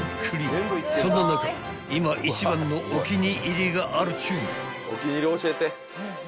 ［そんな中今一番のお気に入りがあるっちゅう］